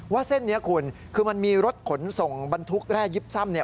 เส้นนี้คุณคือมันมีรถขนส่งบรรทุกแร่ยิบซ่ำเนี่ย